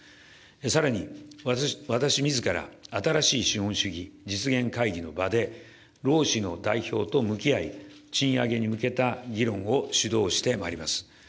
さらに、私みずから、新しい資本主義実現会議の場で、労使の代表と向き合い、賃上げに向けた議論を主導してまいります。